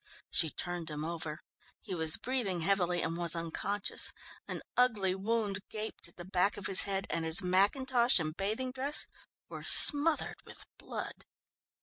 She turned him over. He was breathing heavily and was unconscious. An ugly wound gaped at the back of his head, and his mackintosh and bathing dress were smothered with blood.